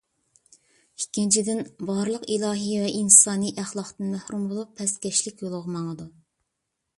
ئىككىنچىدىن، بارلىق ئىلاھىي ۋە ئىنسانىي ئەخلاقتىن مەھرۇم بولۇپ، پەسكەشلىك يولىغا ماڭىدۇ.